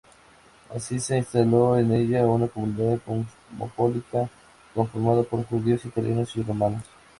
Así, se instaló en ella una comunidad cosmopolita, conformada por judíos, italianos y romanos.